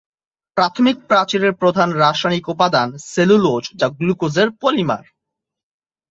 প্রাথমিক প্রাচীরের প্রধান রাসায়নিক উপাদান সেলুলোজ যা গ্লুকোজের পলিমার।